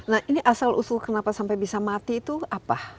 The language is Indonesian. nah ini asal usul kenapa sampai bisa mati itu apa